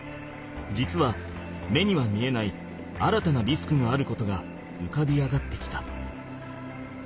実は目には見えない新たなリスクがあることが浮かび上がってきた。